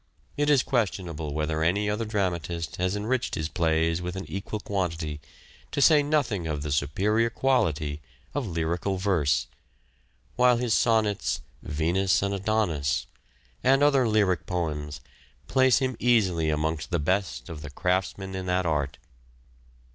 It is questionable whether any other dramatist has enriched his plays with an equal quantity — to say nothing of the superior quality — of lyrical verse ; whilst his sonnets, " Venus and Adonis," and other lyric poems, place him easily amongst the best of the craftsmen in that art.